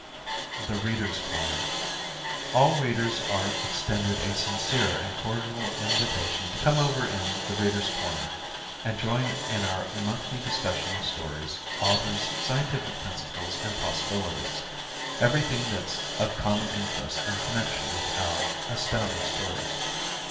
"The Readers' Corner" All Readers are extended a sincere and cordial invitation to "come over in 'The Readers' Corner'" and join in our monthly discussion of stories, authors, scientific principles and possibilities everything that's of common interest in connection with our Astounding Stories.